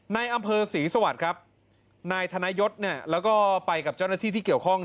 ในอำเภอศรีสวรรค์ครับนายธนยศเนี่ยแล้วก็ไปกับเจ้าหน้าที่ที่เกี่ยวข้อง